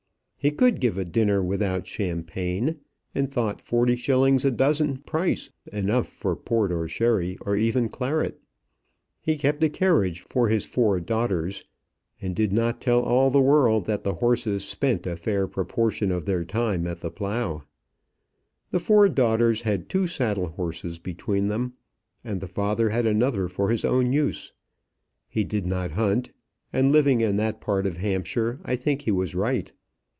He could give a dinner without champagne, and thought forty shillings a dozen price enough for port or sherry, or even claret. He kept a carriage for his four daughters, and did not tell all the world that the horses spent a fair proportion of their time at the plough. The four daughters had two saddle horses between them, and the father had another for his own use. He did not hunt, and living in that part of Hampshire, I think he was right.